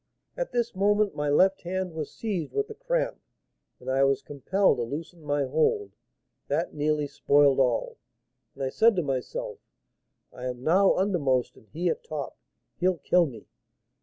At this moment my left hand was seized with the cramp, and I was compelled to loosen my hold; that nearly spoiled all, and I said to myself, 'I am now undermost and he at top, he'll kill me.